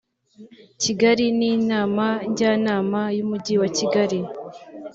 kigali n inama njyanama y umujyi wakigali